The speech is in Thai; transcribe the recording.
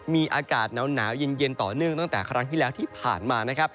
มีอากาศหนาวเย็นต่อเนื่องตั้งแต่ครั้งที่แล้วที่ผ่านมานะครับ